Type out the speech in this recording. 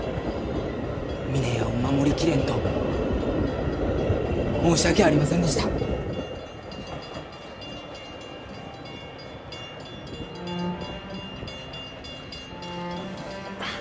峰屋を守り切れんと申し訳ありませんでした。バア。